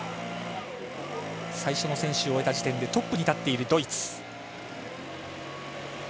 最初の選手を終えた地点でトップに立っているドイツ。